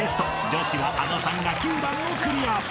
［女子はあのさんが９段をクリア！］